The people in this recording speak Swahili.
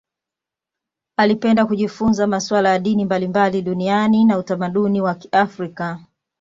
Alipenda kujifunza masuala ya dini mbalimbali duniani na utamaduni wa Kiafrika.